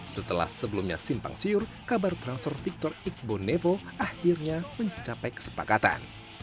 setelah sebelumnya simpang siur kabar transfer victor igbon nevo akhirnya mencapai kesepakatan